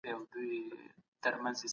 څکونکي نشه یې توکي د سږو ناروغۍ سبب کېږي.